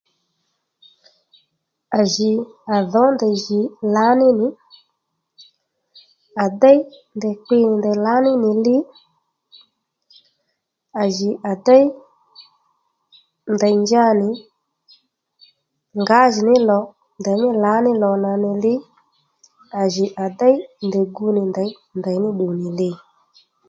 À jì à dhǒ ndèy jì lǎní nì à déy ndèy kpi nì ndèy lǎní nì li à jì à déy ndèy njanì ngǎjìní lo ndèymí lǎní lò nà nì li à jì à déy ndèy gu nì ndèy ndèyní ddu nì li